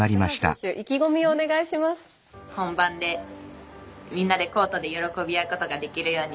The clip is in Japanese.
本番でみんなでコートで喜び合うことができるように。